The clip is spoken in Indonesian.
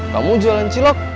kamu jualan cilok